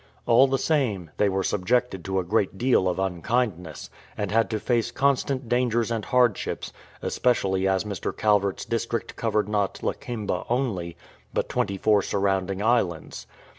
All the same, they were subjected to a great deal of unkindness, and had to face constant dangers and hardships, especially as Mr. Calvert's district covered not Lakemba only, but twenty four surrounding islands.